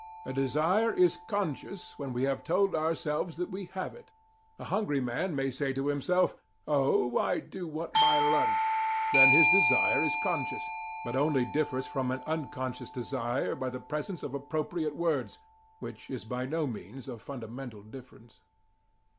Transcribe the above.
A desire is "conscious" when we have told ourselves that we have it. A hungry man may say to himself: "Oh, I do want my lunch." Then his desire is "conscious." But it only differs from an "unconscious" desire by the presence of appropriate words, which is by no means a fundamental difference.